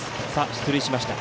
出塁しました。